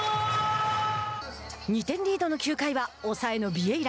２点リードの９回は抑えのビエイラ。